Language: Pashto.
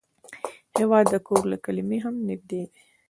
هېواد د کور له کلمې هم نږدې دی.